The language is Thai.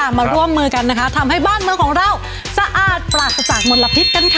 มาร่วมมือกันนะคะทำให้บ้านเมืองของเราสะอาดปราศจากมลพิษกันค่ะ